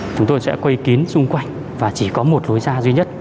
chúng tôi sẽ quay kín xung quanh và chỉ có một lối ra duy nhất